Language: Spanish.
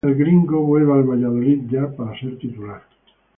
El Gringo vuelve al Valladolid ya para ser titular.